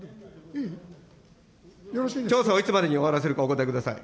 調査はいつまでに終わらせるかお答えください。